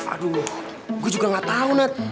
aduh gue juga gak tau nat